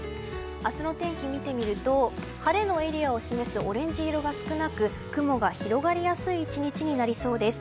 明日の天気を見てみると晴れのエリアを示すオレンジ色が少なく雲が広がりやすい１日になりそうです。